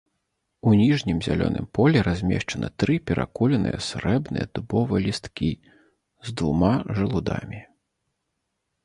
У ніжнім зялёным полі размешчаны тры перакуленыя срэбныя дубовыя лісткі з двума жалудамі.